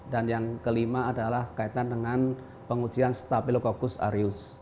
dan yang kelima adalah kaitan dengan pengujian staphylococcus aureus